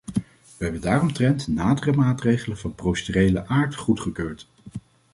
We hebben daaromtrent nadere maatregelen van procedurele aard goedgekeurd.